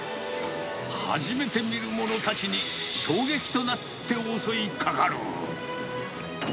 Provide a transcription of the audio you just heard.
初めて見る者たちに、衝撃となって襲いかかる。